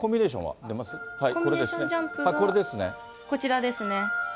こちらですね。